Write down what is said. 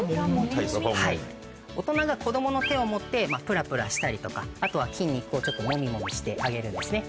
大人が子供の手を持ってプラプラしたりとかあとは筋肉をちょっとモミモミしてあげるんですね。